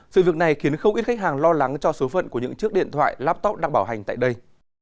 sự việc này khiến không ít khách hàng lo lắng cho số phận của những chiếc điện thoại laptop đang bảo hành tại đây